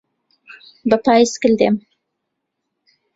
بە پایسکل دێم.